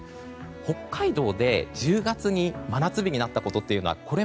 北海道で１０月に真夏日になったことは史上初。